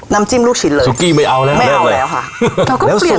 น้ำจิ้มลูกชิ้นเลยไม่เอาแล้วค่ะ